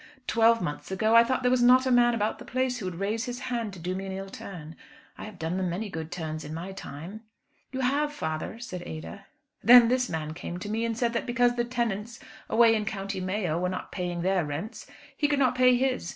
Twelve months ago I thought there was not a man about the place who would raise his hand to do me an ill turn. I have done them many good turns in my time." "You have, father," said Ada. "Then this man came to me and said that because the tenants away in County Mayo were not paying their rents, he could not pay his.